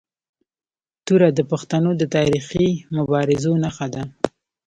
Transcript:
توره د پښتنو د تاریخي مبارزو نښه ده.